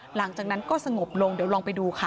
หลังจากนั้นก็สงบลงเดี๋ยวลองไปดูค่ะ